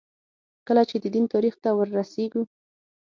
کله چې د دین تاریخ ته وررسېږو.